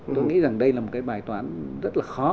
tôi nghĩ rằng đây là một cái bài toán rất là khó